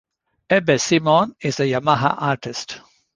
Abbey Simon is a Yamaha Artist.